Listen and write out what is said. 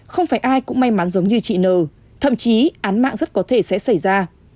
không phải ai cũng may mắn giống như chị nờ thậm chí án mạng rất có thể sẽ xảy ra